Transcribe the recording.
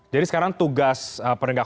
jadi sekarang tugas pernegak